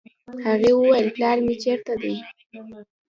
هغې وويل پلار مې چېرته دی.